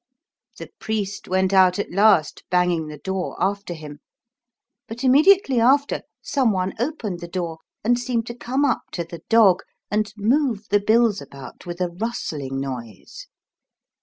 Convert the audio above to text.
The priest went out at last, banging the door after him ; but immediately after, some one opened the door and seemed to come up to the dog and move the bills 64 How did the dog get over the wall? about with a rustling noise.